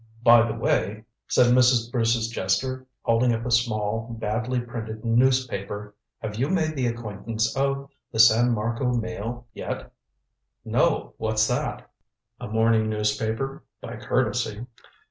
"By the way," said Mrs. Bruce's jester, holding up a small, badly printed newspaper, "have you made the acquaintance of the San Marco Mail yet?" "No what's that?" "A morning newspaper by courtesy.